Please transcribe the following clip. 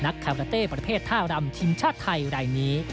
คาราเต้ประเภทท่ารำทีมชาติไทยรายนี้